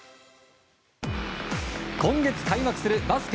今月開幕するバスケ